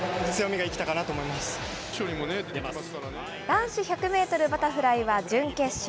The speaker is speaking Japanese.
男子１００メートルバタフライは、準決勝。